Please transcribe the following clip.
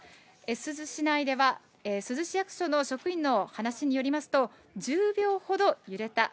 珠洲市内では、珠洲市役所の職員の話によりますと、１０秒ほど揺れた。